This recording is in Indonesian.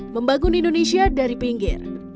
membangun indonesia dari pinggir